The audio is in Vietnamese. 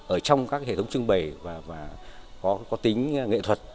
ở trong các hệ thống trưng bày và có tính nghệ thuật